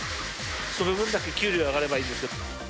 その分だけ給料上がればいいんですけど。